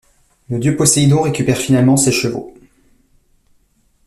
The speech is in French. Le dieu Poséidon récupère finalement ces chevaux.